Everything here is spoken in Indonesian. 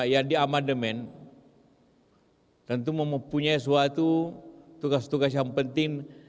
yang diamandemen tentu mempunyai suatu tugas tugas yang penting